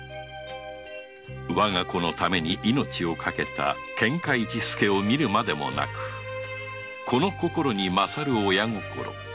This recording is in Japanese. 我が子のために命をかけたケンカ市を見るまでもなく子心に勝る親心。